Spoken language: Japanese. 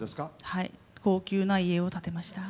はい高級な家を建てました。